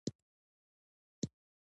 • د مشورې لپاره کښېنه.